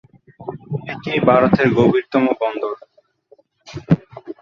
এটি ভারতের "গভীরতম বন্দর"।